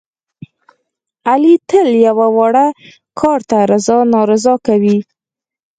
علي تل یوه واړه کار ته رضا نارضا کوي.